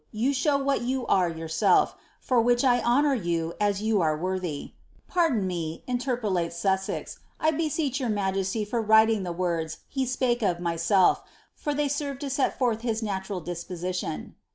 you show what ym are yourself, for which I honour you as you are worihy,' (pardon me. interpo lates auBsei, I beseech your majesty for writing the wnrds lie spake of myself for ihey serve 10 set forth his natural disposition.)